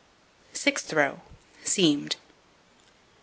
Sixth row: Seamed.